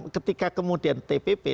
ketika kemudian tpp